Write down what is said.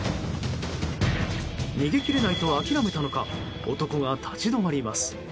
逃げ切れないと諦めたのか男が立ち止まります。